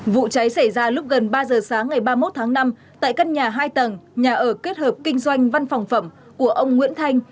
vụ cháy xảy ra lúc gần ba giờ sáng ngày ba mươi một tháng năm tại căn nhà hai tầng nhà ở kết hợp kinh doanh văn phòng phẩm của ông nguyễn thanh